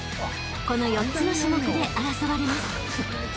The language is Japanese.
［この４つの種目で争われます］